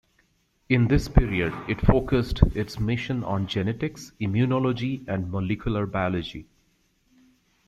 In this period it focused its mission on genetics, immunology, and molecular biology.